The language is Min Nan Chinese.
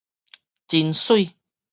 真媠